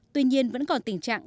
tuy nhiên vẫn còn tình trạng